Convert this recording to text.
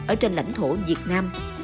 ở trên lãnh thổ việt nam